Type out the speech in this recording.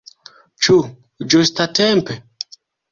Ĉu ĝustatempe?